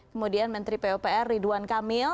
kemudian menteri pupr ridwan kamil